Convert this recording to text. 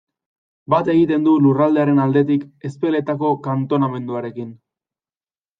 Bat egiten du lurraldearen aldetik Ezpeletako Kantonamenduarekin.